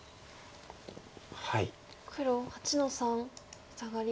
黒８の三サガリ。